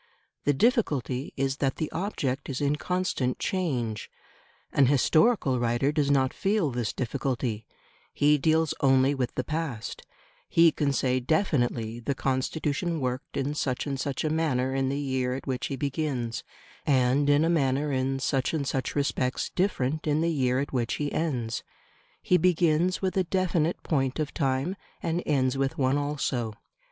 The difficulty is that the object is in constant change. An historical writer does not feel this difficulty: he deals only with the past; he can say definitely, the Constitution worked in such and such a manner in the year at which he begins, and in a manner in such and such respects different in the year at which he ends; he begins with a definite point of time and ends with one also.